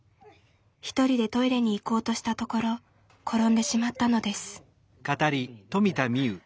一人でトイレに行こうとしたところ転んでしまったのです。